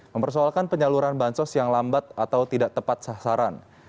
mempersoalkan penyaluran bansos yang lambat atau tidak tepat sasaran